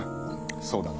そうだな。